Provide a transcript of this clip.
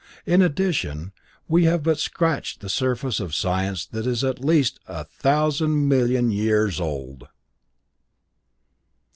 In addition, we have but scratched the surface of a science that is at least a thousand million years old!